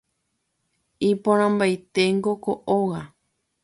iporãmbaite ko óga